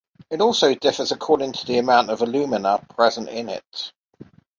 It also differs according to the amount of alumina present in it.